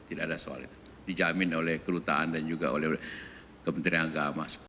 tidak ada soal itu dijamin oleh kedutaan dan juga oleh kementerian agama